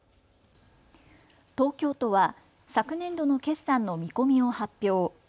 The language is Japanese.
東京都は昨年度の決算の見込みを発表。